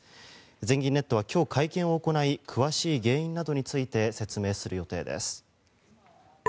全銀ネットは今日会見を行い詳しい原因などについて説明を行う予定です。